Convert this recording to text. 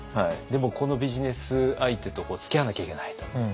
でもこのビジネス相手とつきあわなきゃいけないと。